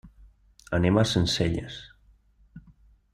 Anem a Sencelles.